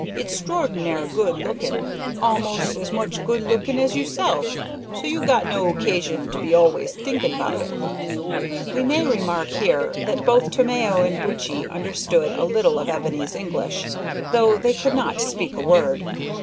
It's 'xtroarnar good lookin', a'most as much good lookin' as yousself, so you got no occashin to be always t'inkin' about it." We may remark here that both Tomeo and Buttchee understood a little of Ebony's English, though they could not speak a word.